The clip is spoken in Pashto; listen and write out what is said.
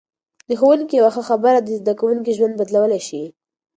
د ښوونکي یوه ښه خبره د زده کوونکي ژوند بدلولای شي.